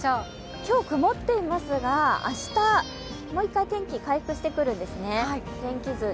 今日、曇っていますが、明日、もう一回、天気回復してくるんですね。